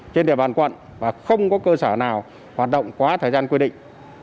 trên địa bàn quận và không có cơ sở nào hoạt động quá thời gian quy định